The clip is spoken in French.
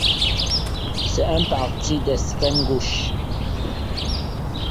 C'est un parti d'extrême gauche.